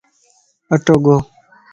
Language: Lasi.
اٽو ڳو